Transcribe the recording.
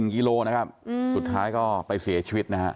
กิโลนะครับสุดท้ายก็ไปเสียชีวิตนะฮะ